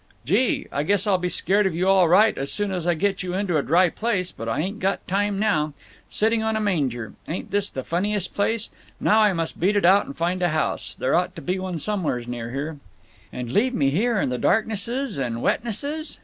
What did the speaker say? "Gee! I guess I'll be scared of you all right as soon as I get you into a dry place, but I ain't got time now. Sitting on a manger! Ain't this the funniest place!… Now I must beat it out and find a house. There ought to be one somewheres near here." "And leave me here in the darknesses and wetnesses?